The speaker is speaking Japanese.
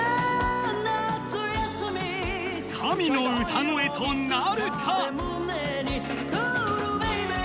神の歌声となるか？